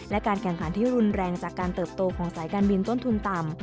และการแข่งขันที่รุนแรงจากการเติบโตของสายการบินต้นทุนต่ำ